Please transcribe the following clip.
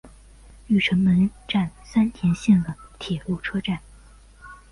御成门站三田线的铁路车站。